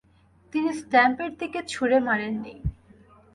তিনি স্ট্যাম্পের দিকে ছুড়ে মারেননি।